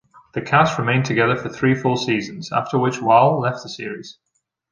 This cast remained together for three full seasons, after which Wahl left the series.